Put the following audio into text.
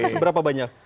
ini seberapa banyak